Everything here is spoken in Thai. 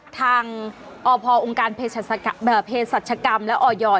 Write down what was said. ทางอพองค์การเพศรัชกรรมและออย